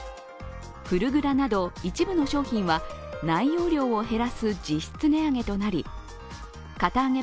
フルグラなど一部の商品は内容量を減らす実質値上げとなり堅あげ